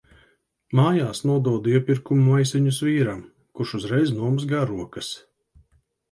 Mājās nododu iepirkumu maisiņus vīram, kurš uzreiz nomazgā rokas.